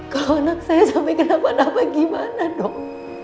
kalau anak saya sampai kenapa napa gimana dong